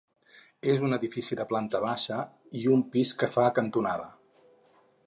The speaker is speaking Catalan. És un edifici de planta baixa i un pis que fa cantonada.